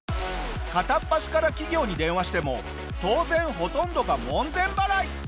片っ端から企業に電話しても当然ほとんどが門前払い。